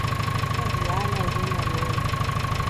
Adiar o agendamento